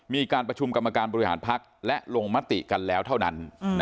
มีการประชุมกรรมการบริหารพักและลงมติกันแล้วเท่านั้น